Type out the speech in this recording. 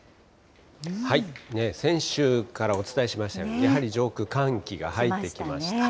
先週からお伝えしましたように、やはり上空、寒気が入ってきました。